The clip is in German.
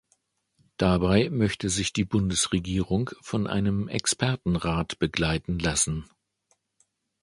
Dabei möchte sich die Bundesregierung von einem Expertenrat begleiten lassen.